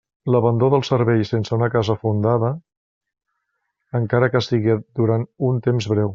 L'abandó del servei sense una causa fundada, encara que siga durant un temps breu.